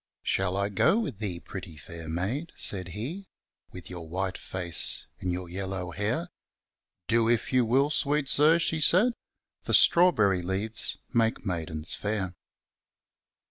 Shall I go with thee pretty fair maid, befaid. With your white face, and your yellmo hair ? Do if you will, fweet Sir, fbefaid, Forftrawberry leaves make maidens fair.